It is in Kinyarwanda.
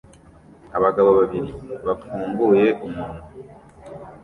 Abagabo babiri bafunguye umunwa